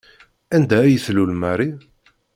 Anda ay tlul Marie?